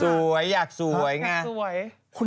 สวยยักษ์สวยก่อน